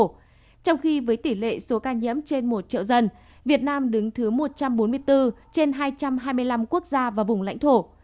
trong khi với tỷ lệ số ca nhiễm trên một triệu dân việt nam đứng thứ một trăm bốn mươi bốn trên hai trăm hai mươi năm quốc gia và vùng lãnh thổ